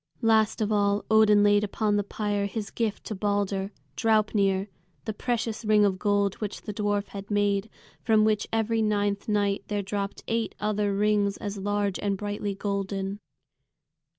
Last of all Odin laid upon the pyre his gift to Balder, Draupnir, the precious ring of gold which the dwarf had made, from which every ninth night there dropped eight other rings as large and brightly golden.